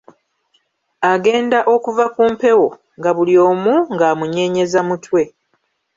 Agenda okuva ku mpewo nga buli omu ng’amunyeenyeza mutwe.